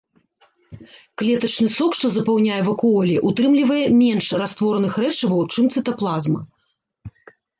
Клетачны сок, што запаўняе вакуолі, утрымлівае менш раствораных рэчываў, чым цытаплазма.